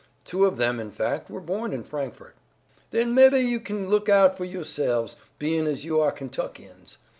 Two of them, in fact, were born in Frankfort." "Then mebbe you kin look out fo' yo'selves, bein' as you are Kentuckians.